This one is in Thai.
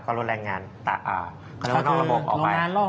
ก็ลงแรงงานลงงานร่วงระบบออกไป